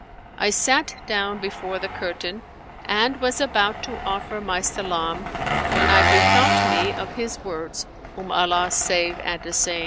I sat down before the curtain and was about to offer my salam when I bethought me of his words (whom Allah save and assain!)